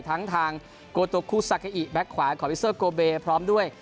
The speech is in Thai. ทั้งทางโกโตคูซาเกอิแบ็คขวาคอวิเซอร์โกเบพร้อมด้วย